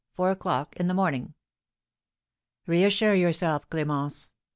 Four o'clock in the morning. Reassure yourself, Clémence!